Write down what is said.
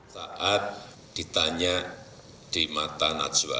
saat ditanya di mata najwa